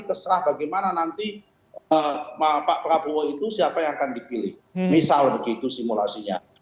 terserah bagaimana nanti pak prabowo itu siapa yang akan dipilih misal begitu simulasinya